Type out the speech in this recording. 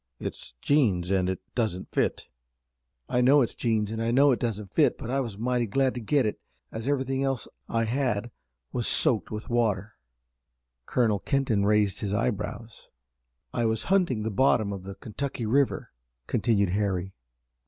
"It's jeans, and it doesn't fit." "I know it's jeans, and I know it doesn't fit, but I was mighty glad to get it, as everything else I had on was soaked with water." Colonel Kenton raised his eyebrows. "I was hunting the bottom of the Kentucky River," continued Harry.